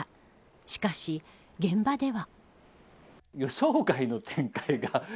しかし現場では。